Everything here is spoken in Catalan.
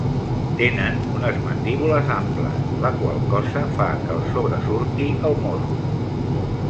Tenen unes mandíbules amples, la qual cosa fa que els sobresurti el morro.